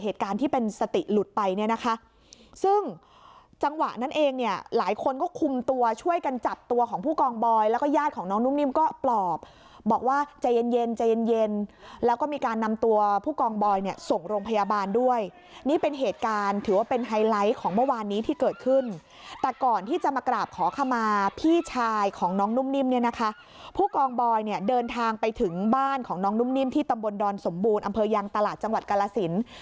ที่เป็นสติหลุดไปเนี่ยนะคะซึ่งจังหวะนั้นเองเนี่ยหลายคนก็คุมตัวช่วยกันจับตัวของผู้กองบอยแล้วก็ญาติของน้องนุ่มนิ่มก็ปลอบบอกว่าใจเย็นใจเย็นแล้วก็มีการนำตัวผู้กองบอยเนี่ยส่งโรงพยาบาลด้วยนี่เป็นเหตุการณ์ถือว่าเป็นไฮไลท์ของเมื่อวานนี้ที่เกิดขึ้นแต่ก่อนที่จะมากราบขอคำมาพี่